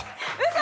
嘘！